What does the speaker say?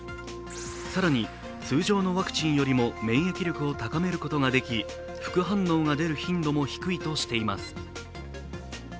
更に、通常のワクチンよりも免疫力を高めることができ副反応が出る頻度も低いとしています。